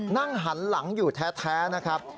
นั่งหันหลังอยู่แท้นะครับ